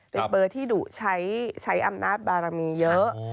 เป็นเบอร์ที่ดุใช้อำนาจบารมีเยอะ